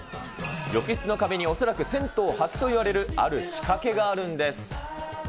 浴室の壁に恐らく銭湯初といわれる、ある仕掛けがあるんです。